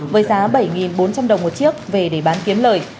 với giá bảy bốn trăm linh đồng một chiếc về để bán kiếm lời